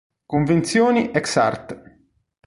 Convenzioni ex art.